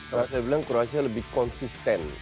kalau saya bilang kroasia lebih konsisten